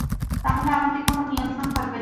তাহলে আমাদের কোনও নিয়ন্ত্রণ থাকবে না।